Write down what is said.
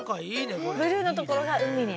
ブルーのところがうみね。